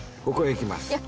ここへ行きます。